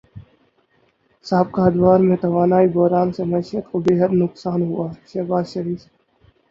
سابقہ ادوار میں توانائی بحران سے معیشت کو بیحد نقصان ہوا شہباز شریف